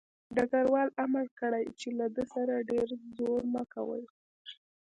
ډګروال امر کړی چې له ده سره ډېر زور مه کوئ